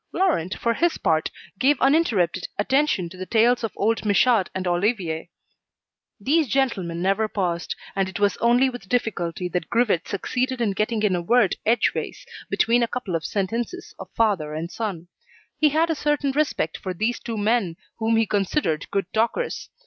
Laurent, for his part, gave uninterrupted attention to the tales of old Michaud and Olivier. These gentlemen never paused, and it was only with difficulty that Grivet succeeded in getting in a word edgeways between a couple of sentences of father and son. He had a certain respect for these two men whom he considered good talkers.